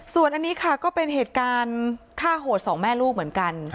ส่วนอันนี้ค่ะก็เป็นเหตุการณ์ฆ่าโหดสองแม่ลูกเหมือนกัน